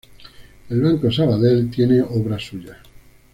El Banco Sabadell tiene obra suya.